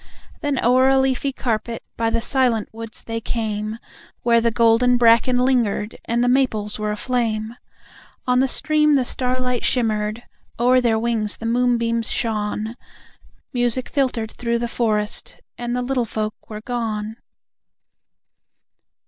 Then o'er a leafy carpet, by the silent woods they came, Where the golden bracken lingered and the maples were aflame. On the stream the starlight shimmered, o'er their wings the moonbeams shone, Music filtered through the forest and the Little Folk were gone!